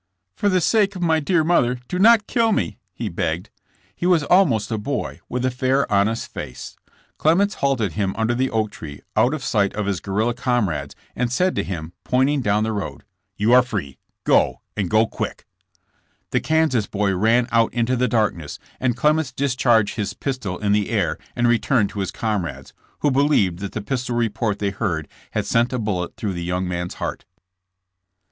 For the sake of my dear mother do not kill me," he begged. He was almost a boy, with a fair, honest face. Clements halted him under the oak tree, out of sight of his guerrilla comrades and said to him, pointing down the road :'' You are free ; go, and go quick. '* The Kansas boy ran out into the darkness, and Clements discharged his pistol in the air and re turned to his comrades, who believed that the pistol report they heard had sent a bullet through the young man's heart.